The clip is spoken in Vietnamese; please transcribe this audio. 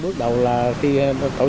trước đầu cũng thấy là cũng gặp khó khăn